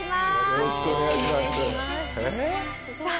よろしくお願いします。